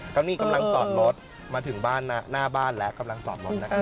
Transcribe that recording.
เขานี่กำลังจอดรถมาถึงบ้านหน้าบ้านแล้วกำลังจอดรถนะครับ